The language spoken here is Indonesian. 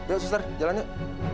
yuk suster jalan yuk